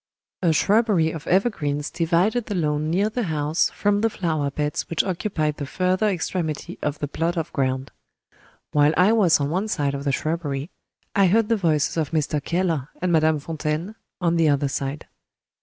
A shrubbery of evergreens divided the lawn near the house from the flower beds which occupied the further extremity of the plot of ground. While I was on one side of the shrubbery, I heard the voices of Mr. Keller and Madame Fontaine on the other side.